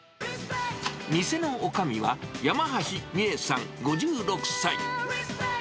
店のおかみは山橋美恵さん５６歳。